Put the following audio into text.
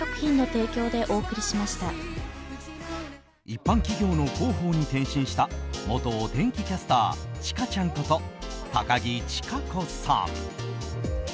一般企業の広報に転身した元お天気キャスターチカちゃんこと高樹千佳子さん。